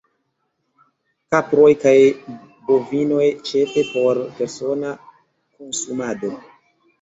Kaproj kaj bovinoj ĉefe por persona konsumado.